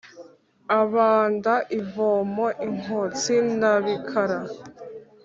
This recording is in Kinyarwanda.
abanda ivomo i nkotsi na bikara